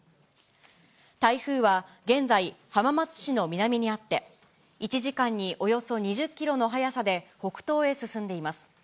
台風は現在、浜松市の南にあって、１時間におよそ２０キロの速さで北東へ進んでいます。